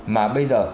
mà bây giờ